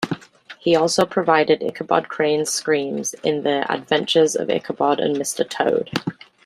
He also provided Ichabod Crane's screams in "The Adventures of Ichabod and Mr. Toad".